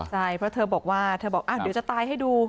ใช่เพราะเธอบอกว่าเธอบอกเดี๋ยวจะตายให้ดู